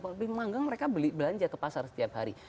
tapi memanggang mereka beli belanja ke pasar setiap hari